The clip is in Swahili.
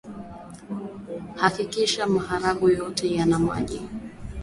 hakikisha maharage yote yana maji